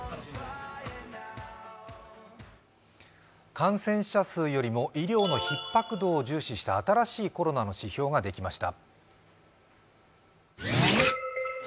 感染者数よりも医療のひっ迫度を重視した新しいコロナの指標ができました。